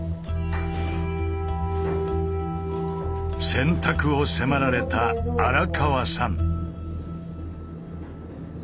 選択を迫られた荒川さん。